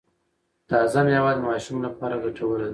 تازه میوه د ماشوم لپاره ګټوره ده۔